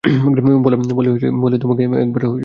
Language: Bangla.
রলে, তোমাকে একবার যেতে হবে শশী।